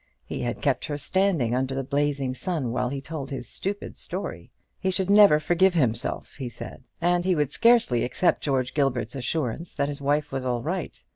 He had kept her standing under the blazing sun while he told his stupid story. He should never forgive himself, he said. And he would scarcely accept George Gilbert's assurance that his wife was all right.